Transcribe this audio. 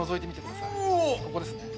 ここですね。